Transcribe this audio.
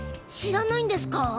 知らないんですか？